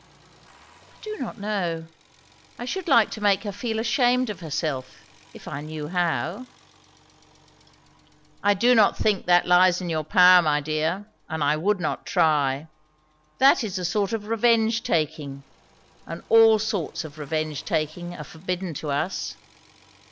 "I do not know. I should like to make her feel ashamed of herself if I knew how." "I do not think that lies in your power, my dear; and I would not try. That is a sort of revenge taking; and all sorts of revenge taking are forbidden to us.